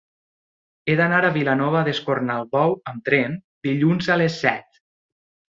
He d'anar a Vilanova d'Escornalbou amb tren dilluns a les set.